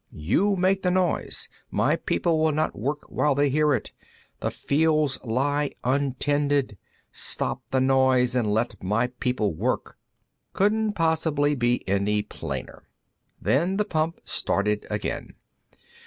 _You make the noise. My people will not work while they hear it. The fields lie untended. Stop the noise, and let my people work._ Couldn't possibly be any plainer. Then the pump started again.